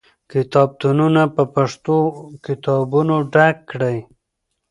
کتابتونونه په پښتو کتابونو ډک کړئ.